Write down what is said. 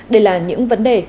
đây là những vấn đề